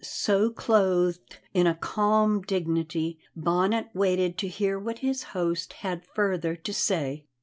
So, clothed in a calm dignity, Bonnet waited to hear what his host had further to say.